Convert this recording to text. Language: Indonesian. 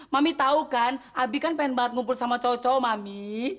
mami tahu kan abi kan pengen banget ngumpul sama cocok mami